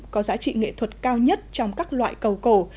có giá trị nghệ thuật cao nhất trong các loại cầu cổ